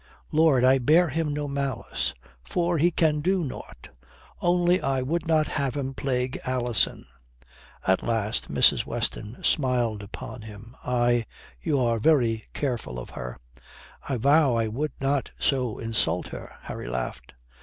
"Lord, I bear him no malice. For he can do nought. Only I would not have him plague Alison." At last Mrs. Weston smiled upon him. "Aye, you are very careful of her." "I vow I would not so insult her." Harry laughed.